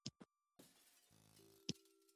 بالا حصارونه اوس موږ ته څه ارزښت او اهمیت لري.